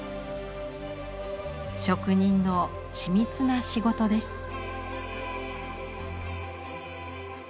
職人の緻密な仕事です。